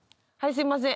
すいません。